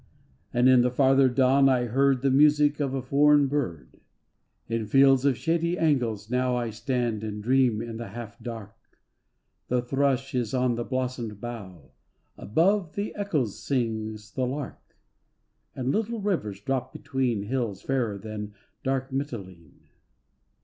And in the farther dawn I heard The music of a foreign bird. In fields of shady angles now I stand and dream in the half dark: The thrush is on the blossomed bough, Above the echoes sings the lark, And little rivers drop between Hills fairer than dark Mitylene.